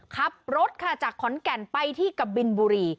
ขับรถค่ะจากขอนแก่นไปที่กะบินบุรี